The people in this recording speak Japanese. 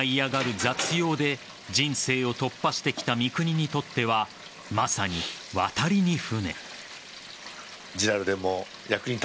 雑用で人生を突破してきた三國にとってはまさに渡りに船。